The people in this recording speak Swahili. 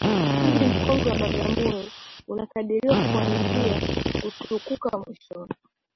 Mji mkongwe wa Bagamoyo unakadiriwa kuanza kutukuka mwishoni